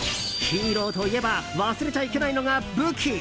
ヒーローといえば忘れちゃいけないのが武器。